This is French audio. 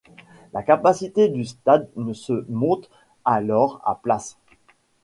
La capacité du stade se monte alors à places.